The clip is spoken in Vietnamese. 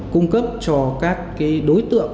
cung cấp cho các đối tượng